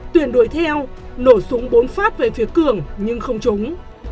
tuyển đuổi theo nổ súng bốn phát về phía cường nhưng không trúng